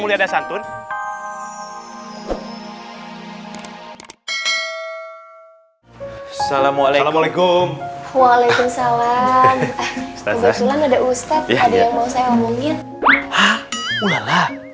mulia dan santun salamualaikum waalaikumsalam ada ustadz yang mau saya omongin